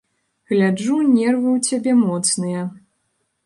Гляджу, нервы ў цябе моцныя.